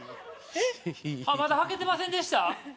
まだはけてませんでした？